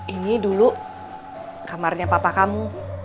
ini dulu kamarnya papa kamu